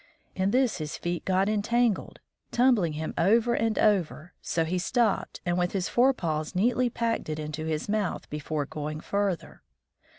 In this his feet got entangled, tumbling him over and over, so he stopped and with his fore paws neatly packed it into his mouth before going further.